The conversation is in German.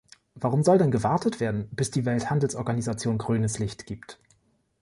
Warum soll denn gewartet werden, bis die Welthandelsorganisation grünes Licht gibt?